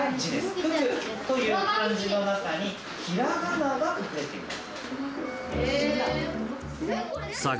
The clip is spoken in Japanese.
福という漢字の中に、ひらがなが隠れています。